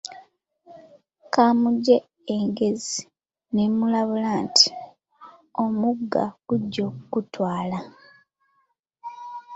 Kamugye egezi n'emulabula nti, Omugga gugya ku kutwala.